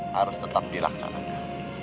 harus tetap dilaksanakan